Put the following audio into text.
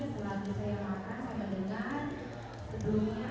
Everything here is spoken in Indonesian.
dan dikenalkan waktu itu juga